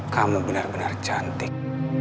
kamu benar benar cantik